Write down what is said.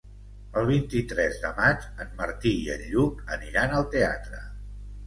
El vint-i-tres de maig en Martí i en Lluc aniran al teatre.